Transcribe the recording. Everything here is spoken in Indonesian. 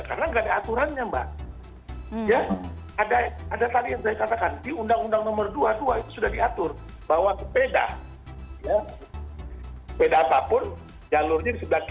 karena gak ada aturannya mba